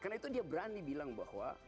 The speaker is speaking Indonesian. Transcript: karena itu dia berani bilang bahwa